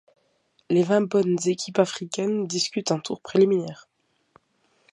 Les vingt moins bonnes équipes africaines disputent un tour préliminaire.